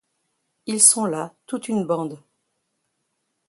Ils sont là toute une bande!